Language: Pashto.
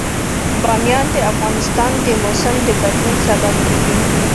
بامیان د افغانستان د موسم د بدلون سبب کېږي.